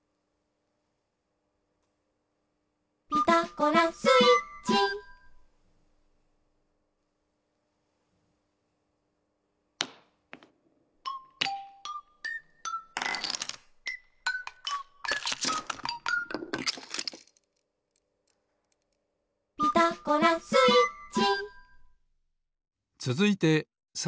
「ピタゴラスイッチ」「ピタゴラスイッチ」